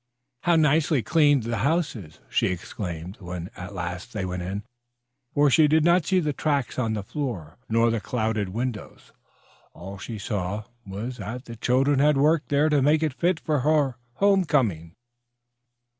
"How nicely cleaned the house is!" she exclaimed when at last they went in. For she did not see the tracks on the floor nor the clouded windows. All she saw was that the children had worked there to make it fit for her home coming.